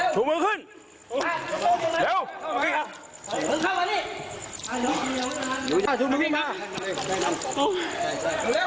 เยื่อนยินเสียงก็รู้ละว่าเหนื่อยอะ